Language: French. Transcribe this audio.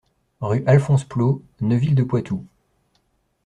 Rue Alphonse Plault, Neuville-de-Poitou